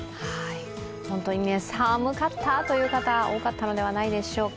本当に寒かったという方多かったのではないでしょうか。